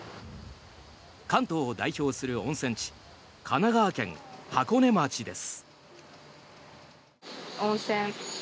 関東を代表する温泉地神奈川県箱根町です。